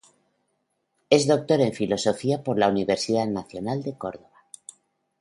Es doctor en filosofía por la Universidad Nacional de Córdoba.